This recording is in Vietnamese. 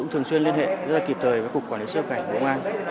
thường xuyên liên hệ rất là kịp thời với cục quản lý xuất nhập cảnh bộ công an